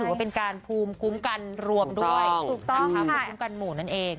ถือว่าเป็นการภูมิกุ้มกันรวมด้วยภูมิกุ้มกันหมู่นั่นเอง